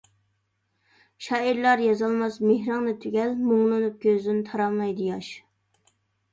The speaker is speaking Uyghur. شائىرلار يازالماس مېھرىڭنى تۈگەل، مۇڭلىنىپ كۆزىدىن تاراملايدۇ ياش.